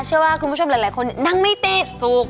เชื่อว่าคุณผู้ชมหลายคนนั่งไม่ติดถูก